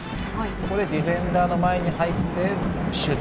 ここでディフェンダーの前に入ってシュート。